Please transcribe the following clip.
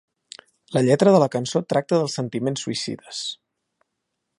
La lletra de la cançó tracta dels sentiments suïcides.